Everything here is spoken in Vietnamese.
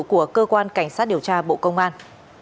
của cơ quan cảnh sát điều tra bộ công an